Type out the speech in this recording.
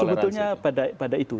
sebetulnya pada itu